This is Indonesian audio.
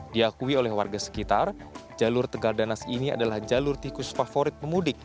diakui oleh warga sekitar jalur tegal danas ini adalah jalur tikus favorit pemudik